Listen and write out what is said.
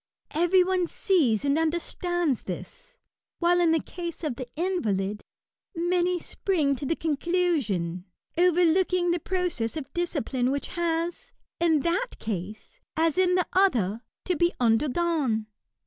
Every one sees and understands this ; while in the case of the invalid, many spring to the conclusion, overlooking the process of discipline which has, in that case, as in the other, to be undergone.